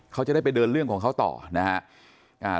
เขาจะได้ไปเดินเรื่องของเขาต่อนะครับ